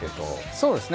そうですね。